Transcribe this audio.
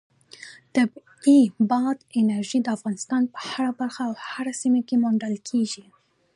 طبیعي بادي انرژي د افغانستان په هره برخه او هره سیمه کې موندل کېږي.